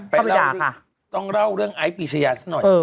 เราต้องเล่าเรื่องไอซ์ปีชายาสักหน่อย